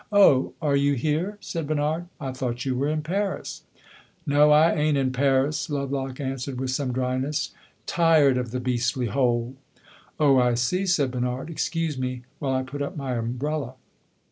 "Oh, are you here?" said Bernard. "I thought you were in Paris." "No; I ain't in Paris," Lovelock answered with some dryness. "Tired of the beastly hole!" "Oh, I see," said Bernard. "Excuse me while I put up my umbrella."